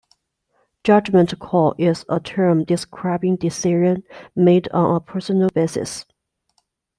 Judgment call is a term describing decision made on a personal basis.